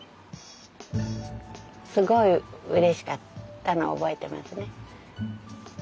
すごいうれしかったのを覚えてますね。